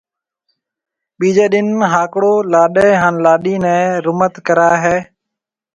ٻيجيَ ڏِن ھاڪݪو لاڏَي ھان لاڏِي نيَ رمت ڪرائيَ ھيََََ